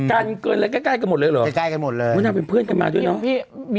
กันเกินแล้วใกล้กันหมดเลยหรือพี่นะเป็นเพื่อนกันมาด้วยเนอะ